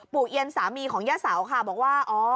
ปู่เอียนสามีของแย่สาวบอกว่าอ๋อ